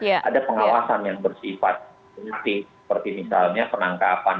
ada pengawasan yang bersifat seperti misalnya penangkapan